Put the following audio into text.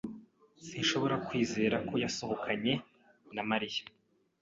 Sinshobora kwizera ko yasohokanye na Mariya